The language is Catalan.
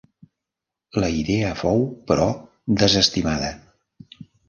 La idea fou, però, desestimada.